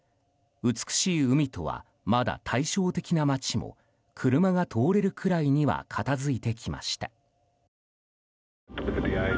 美しい海とはまだ対照的な街も車が通れるくらいには片付いてきました。